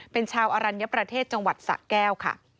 เป็นชาวอรัญญประเทศจังหวัดสะแก้วค่ะ